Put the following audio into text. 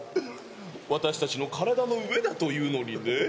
私達の体の上だというのにね